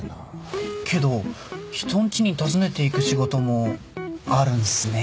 けど人んちに訪ねていく仕事もあるんすね。